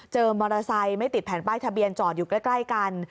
มอเตอร์ไซค์ไม่ติดแผ่นป้ายทะเบียนจอดอยู่ใกล้กัน